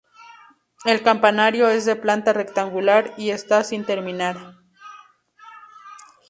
El campanario es de planta rectangular y está sin terminar.